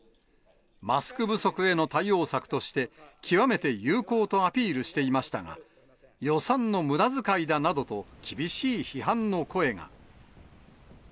マスク不足への対応策として、極めて有効とアピールしていましたが、予算のむだ遣いだなどと、厳しい批判の声が。